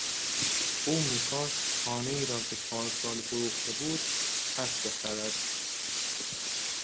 او میخواست خانهای را که پارسال فروخته بود پس بخرد.